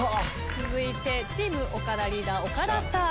続いてチーム岡田リーダー岡田さん。